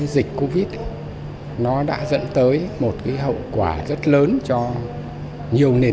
dịch covid đã dẫn tới một hậu quả rất lớn cho nhiều nền kinh tế